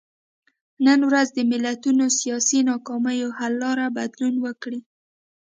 نن ورځ د ملتونو سیاسي ناکامیو حل لاره بدلون وکړي.